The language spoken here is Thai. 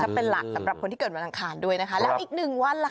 เป็นหลักสำหรับคนที่เกิดวันอังคารด้วยนะคะแล้วอีกหนึ่งวันล่ะค่ะ